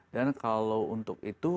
dan kalau untuk itu